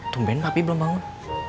tungguin papi belum bangun